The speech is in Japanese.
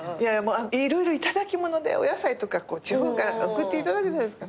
色々頂き物でお野菜とか地方から送っていただくじゃないですか。